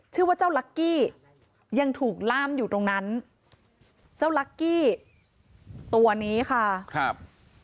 ชื่อว่าเจ้าลักกี้ยังถูกล่ามอยู่ตรงนั้นเจ้าลักกี้ตัวนี้ค่ะครับ